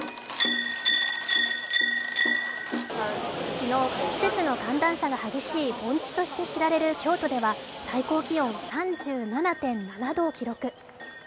昨日季節の寒暖差が激しい盆地として知られる京都では最高気温３７．７度を記録。